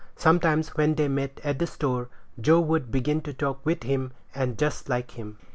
Sometimes, when they met at the store, Joe would begin to talk with him, and just like him.